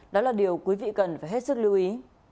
đó là điều quý vị cần phải hết sức lưu ý